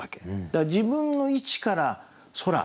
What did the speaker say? だから自分の位置から空。